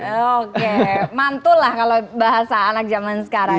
oke mantu lah kalau bahasa anak zaman sekarang